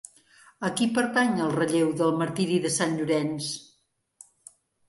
A qui pertany el relleu del Martiri de Sant Llorenç?